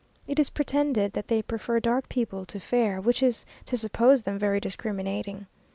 It is pretended that they prefer dark people to fair, which is to suppose them very discriminating.